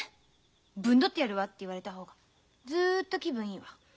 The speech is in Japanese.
ぶん取ってやるわって言われた方がずっと気分いいわ。